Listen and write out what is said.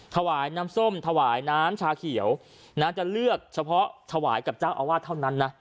ถวายน้ำส้มถวายน้ำชาเขียวนะจะเลือกเฉพาะถวายกับเจ้าอาวาสเท่านั้นนะ